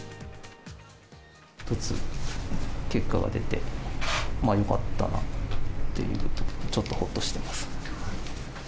１つ結果が出て、よかったなっていう、ちょっとほっとしてます。